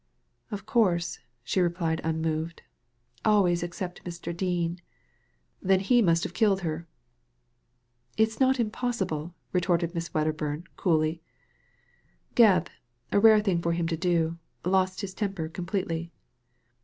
''Of course," she replied unmoved, "always except Mr. Dean." "Then he must have killed her." " It's not impossible," retorted Miss Wedderbum, coolly. Gebb, a rare thing for him to do, lost his temper completely.